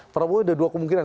prabowo ada dua kemungkinan